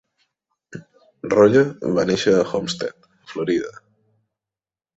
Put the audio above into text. Rolle va néixer a Homestead, Florida.